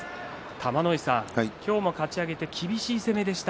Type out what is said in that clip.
玉ノ井さん、今日のかち上げ厳しい攻めでした。